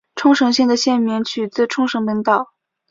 冲绳县的县名取自于冲绳本岛。